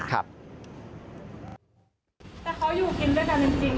แต่เขาอยู่กินด้วยกันจริง